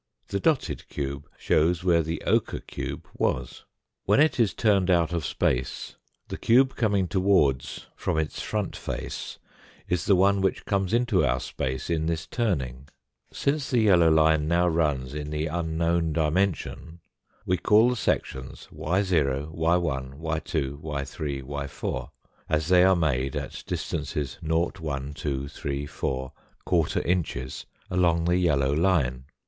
The dotted cube shows where the ochre cube was. When it is turned out of space, the cube coming towards from its front face is the one which comes into our space in this turning. Since the yellow line now runs in the unknown dimension we call the sections 2/o, 2/1, 2/2> 2/3? 2/4> as they are made at distances 0, 1, 2, 3, 4, quarter inches along the yellow line.